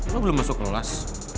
lo belum masuk kelas